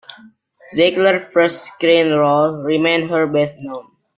Ziegler's first screen role remains her best known.